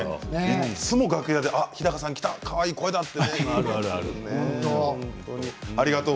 いつも楽屋で日高さん来た高い声だと。